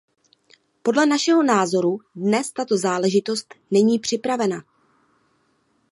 Podle našeho názoru dnes tato záležitost není připravena.